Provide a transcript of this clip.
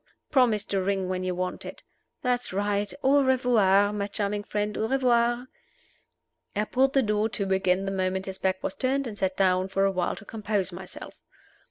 Promise to ring when you want it. That's right! Au revoir, my charming friend au revoir!" I pulled the door to again the moment his back was turned, and sat down for a while to compose myself.